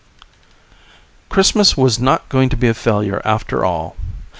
Christmas was not going to be a failure after all.